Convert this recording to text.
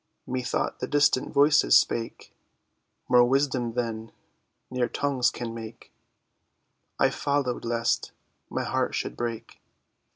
Methought the distant voices spake More wisdom than near tongues can make; I followed—lest my heart should break.